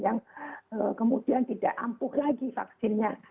yang kemudian tidak ampuh lagi vaksinnya